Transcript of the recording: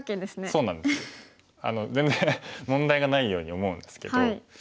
そうなんです全然問題がないように思うんですけど。